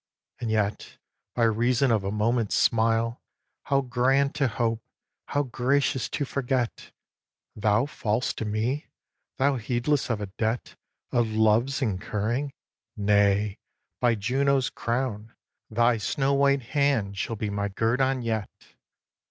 And yet, by reason of a moment's smile, How grand to hope, how gracious to forget! Thou false to me? Thou heedless of a debt Of love's incurring? Nay, by Juno's crown, Thy snow white hand shall be my guerdon yet!